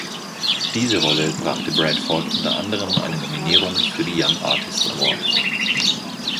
Diese Rolle brachte Bradford unter anderem eine Nominierung für die Young Artist Award.